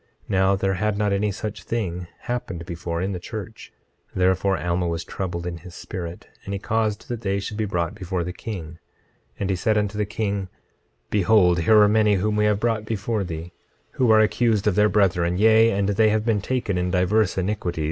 26:10 Now there had not any such thing happened before in the church; therefore Alma was troubled in his spirit, and he caused that they should be brought before the king. 26:11 And he said unto the king: Behold, here are many whom we have brought before thee, who are accused of their brethren; yea, and they have been taken in divers iniquities.